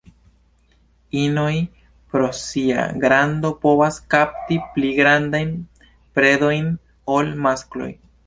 Inoj pro sia grando povas kapti pli grandajn predojn ol maskloj.